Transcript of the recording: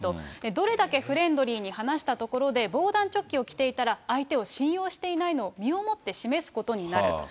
どれだけフレンドリーに話したところで、防弾チョッキを着ていたら、相手を信用していないのを身をもって示すことになる。